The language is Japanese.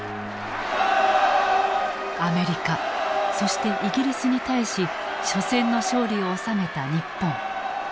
アメリカそしてイギリスに対し緒戦の勝利を収めた日本。